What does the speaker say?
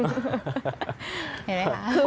เห็นไหมคะ